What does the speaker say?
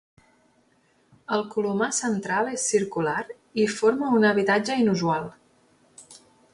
El colomar central és circular i forma un habitatge inusual.